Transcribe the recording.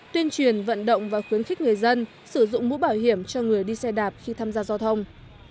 tuyên truyền vận động và khuyến khích người dân sử dụng mũ bảo hiểm cho người đi xe đạp khi tham gia giao thông